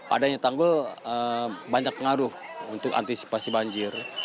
adanya tanggul banyak pengaruh untuk antisipasi banjir